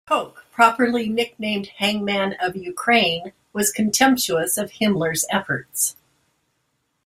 Koch, properly nicknamed "hangman of Ukraine," was contemptuous of Himmler's efforts.